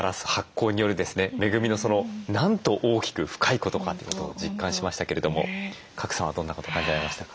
恵みのそのなんと大きく深いことかということを実感しましたけれども賀来さんはどんなことを感じられましたか？